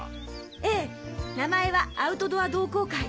ええ名前はアウトドア同好会！